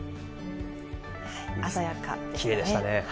鮮やかでしたね。